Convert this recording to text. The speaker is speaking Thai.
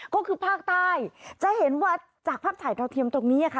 ก็คือภาคใต้จะเห็นว่าจากภาพถ่ายดาวเทียมตรงนี้ค่ะ